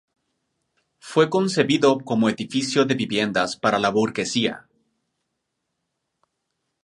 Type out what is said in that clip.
Fue concebido como edificio de viviendas para la burguesía.